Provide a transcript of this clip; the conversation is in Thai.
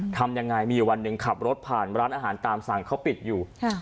ทำยังไงมีอยู่วันหนึ่งขับรถผ่านร้านอาหารตามสั่งเขาปิดอยู่